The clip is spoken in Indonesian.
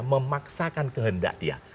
memaksakan kehendak dia